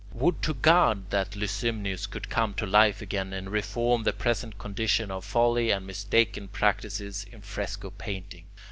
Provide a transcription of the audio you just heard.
Would to God that Licymnius could come to life again and reform the present condition of folly and mistaken practices in fresco painting!